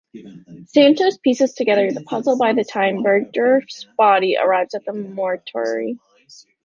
Santos pieces together the puzzle by the time Bergdorf's body arrives at the mortuary.